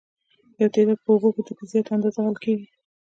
یو تعداد یې په اوبو کې په زیاته اندازه حل کیږي.